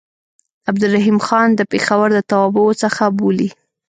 عبدالرحیم ځان د پېښور د توابعو څخه بولي.